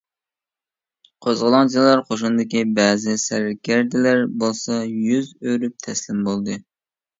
قوزغىلاڭچىلار قوشۇنىدىكى بەزى سەركەردىلەر بولسا يۈز ئۆرۈپ تەسلىم بولدى.